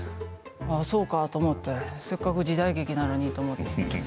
そうかと思ってせっかく時代劇なのにと思って。